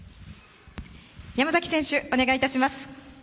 山崎選手、お願いいたします。